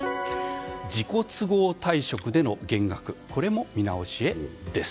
自己都合退職での減額も見直しへ。